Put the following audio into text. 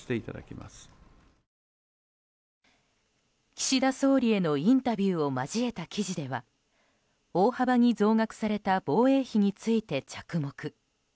岸田総理へのインタビューを交えた記事では大幅に増額された防衛費について着目。